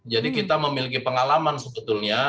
jadi kita memiliki pengalaman sebetulnya